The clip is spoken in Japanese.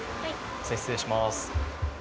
失礼します。